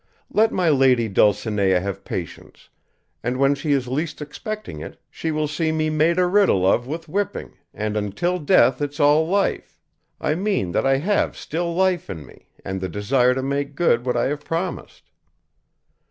Let my lady Dulcinea have patience, and when she is least expecting it, she will see me made a riddle of with whipping, and 'until death it's all life;' I mean that I have still life in me, and the desire to make good what I have promised."